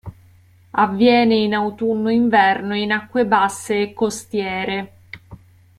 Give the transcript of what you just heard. Avviene in autunno-inverno in acque basse e costiere.